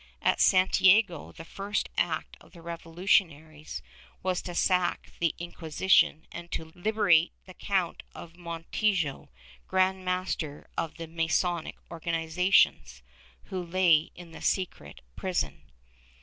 At Santiago, the first act of the revolutionaries was to sack the Inqui sition and to liberate the Count of Montijo, grand master of the Masonic organizations, who lay in the secret prison.